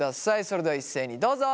それでは一斉にどうぞ。